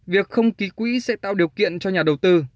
việc không ký quỹ sẽ tạo điều kiện cho nhà đầu tư